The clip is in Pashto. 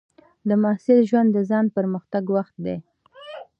د محصل ژوند د ځان پرمختګ وخت دی.